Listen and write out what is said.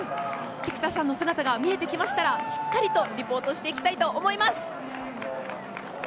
菊田さんの姿が見えてきたらしっかりとリポートしていきたいと思います。